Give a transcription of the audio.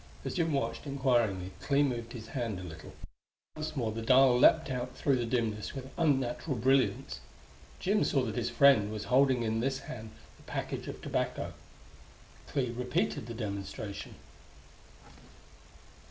As Jim watched, inquiringly, Clee moved his right hand a little, and once more the dial leaped out through the dimness with unnatural brilliance. Jim saw that his friend was holding in this hand the package of tobacco. Clee repeated the demonstration.